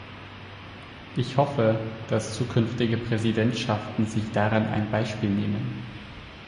Ich hoffe, dass zukünftige Präsidentschaften sich daran ein Beispiel nehmen.